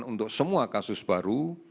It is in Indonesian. untuk semua kasus baru